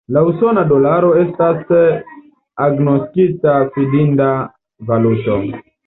La usona dolaro estas agnoskita fidinda valuto.